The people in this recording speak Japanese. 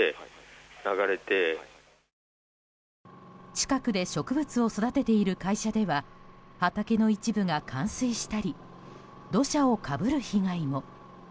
近くで植物を育てている会社では畑の一部が冠水したり土砂をかぶる被害も。